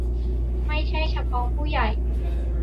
ไม่ใช่เฉพาะผู้ใหญ่